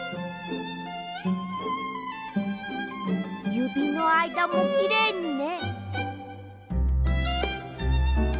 ゆびのあいだもきれいにね！